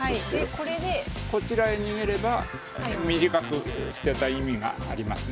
こちらへ逃げれば短く捨てた意味がありますね。